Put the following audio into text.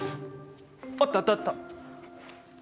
あったあったあった。